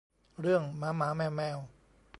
เรื่องหมาหมาแมวแมว